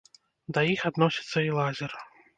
Да іх адносіцца і лазер.